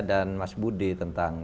dan mas budi tentang